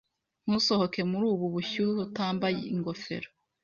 Ntusohoke muri ubu bushyuhe utambaye ingofero.